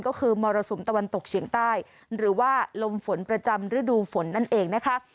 ก็คือมรสุมตะวันตกเฉียงใต้หรือว่าลมฝนประจำฤดูฝนนั่นเองนะคะ